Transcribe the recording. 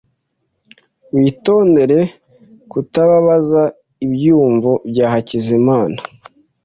Witondere kutababaza ibyiyumvo bya Hakizimana .